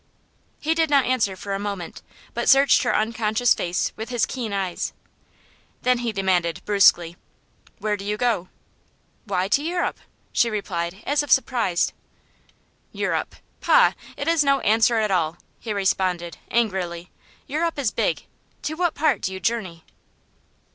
He did not answer for a moment, but searched her unconscious face with his keen eyes. Then he demanded, brusquely: "Where do you go?" "Why, to Europe," she replied, as if surprised. "Europe? Pah! It is no answer at all," he responded, angrily. "Europe is big. To what part do you journey?"